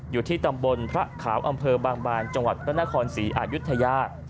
อยู่ที่ตำบลพระขาวอำเภอบางบานจังหวัดพระนครศรีอายุทยา